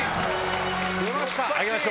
出ました！